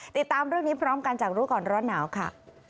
ติดตามเรื่องนี้พร้อมกันจากรู้ก่อนร้อนหนาวค่ะ